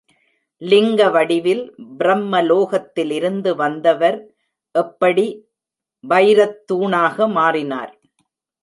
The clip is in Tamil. லிங்க வடிவில் பிரம்ம லோகத்திலிருந்து வந்தவர் எப்படி வைரத்தூணாக மாறினார்?